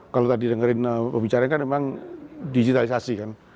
kalau tadi dengerin pembicaraan kan memang digitalisasi kan